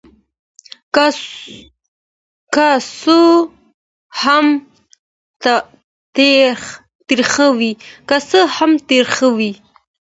که څه هم تریخ وي.